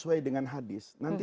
jangan anda takut